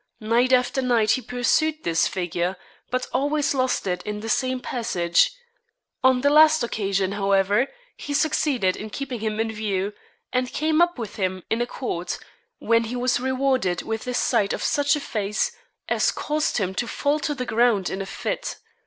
Night after night he pursued this figure, but always lost it in the same passage. On the last occasion, however, he succeeded in keeping him in view, and came up with him in a court, when he was rewarded with a sight of such a face as caused him to fall to the ground in a fit.